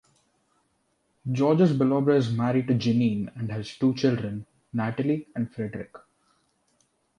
Georges Belaubre is married to Jeanine and has two children, Natalie and Frédéric.